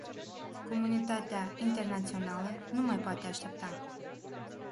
Comunitatea internațională nu mai poate aștepta.